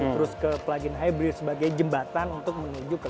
terus ke pelajin hybrid sebagai jembatan untuk menunjukkan